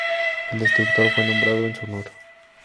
El destructor fue nombrado en su honor.